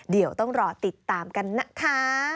เดี๋ยวต้องรอติดตามกันนะคะ